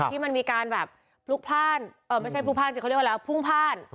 ถึงมันมีการแบบพลุกพ่านเออมันช่วงแล้วพรุ่งพ่าน